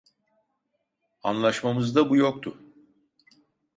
Anlaşmamızda bu yoktu.